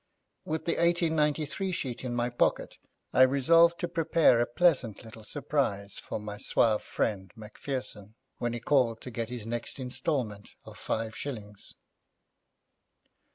With the 1893 sheet in my pocket I resolved to prepare a pleasant little surprise for my suave friend Macpherson when he called to get his next instalment of five shillings.